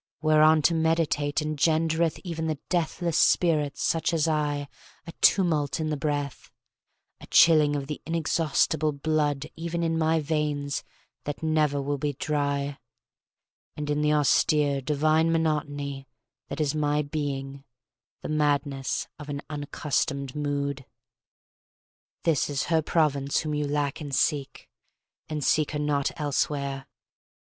Whereon to meditate engendereth Even in deathless spirits such as I A tumult in the breath, A chilling of the inexhaustible blood Even in my veins that never will be dry, And in the austere, divine monotony That is my being, the madness of an unaccustomed mood. This is her province whom you lack and seek; And seek her not elsewhere.